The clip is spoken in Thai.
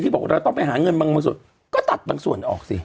บอกเราต้องไปหาเงินบางส่วนก็ตัดบางส่วนออกสิ